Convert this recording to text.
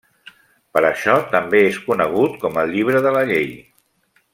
Per això també és conegut com el Llibre de la Llei.